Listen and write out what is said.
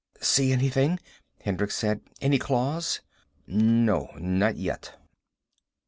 "See anything?" Hendricks said. "Any claws?" "No. Not yet."